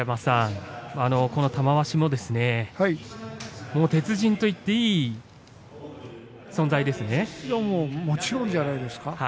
玉鷲、鉄人と言っていいもちろんじゃないんですか。